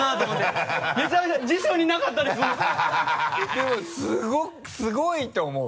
でもすごいと思う。